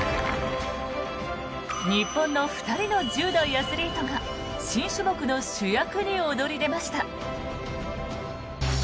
日本の２人の１０代アスリートが新種目の主役に躍り出ました。